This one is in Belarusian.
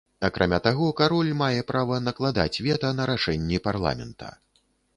Акрамя таго, кароль мае права накладаць вета на рашэнні парламента.